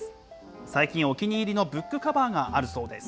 最近、お気に入りのブックカバーがあるそうです。